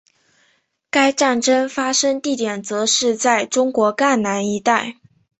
该战斗发生地点则是在中国赣南一带。